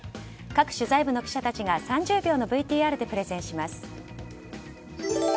各取材部の記者たちが３０秒のＶＴＲでプレゼンします。